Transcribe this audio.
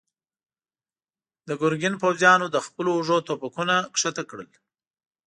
د ګرګين پوځيانو له خپلو اوږو ټوپکونه کښته کړل.